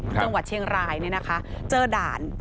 จังหวัดเชียงรายเนี่ยนะคะเจอด่าน